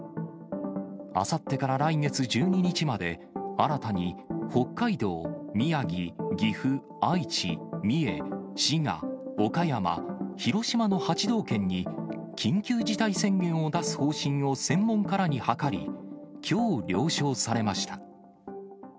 あさってから来月１２日まで、新たに北海道、宮城、岐阜、愛知、三重、滋賀、岡山、広島の８道県に、緊急事態宣言を出す方針を専門家らに諮り、きょう了承されました。